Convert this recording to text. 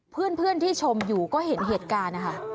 เพื่อนที่ชมอยู่ก็เห็นเหตุการณ์นะคะ